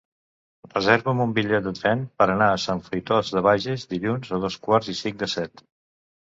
Reserva'm un bitllet de tren per anar a Sant Fruitós de Bages dilluns a dos quarts i cinc de set.